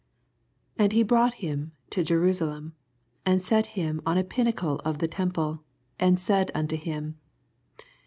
9 And he brought him to Jerusalem, and set him on a pinnacle of the tem §le, and said unto him.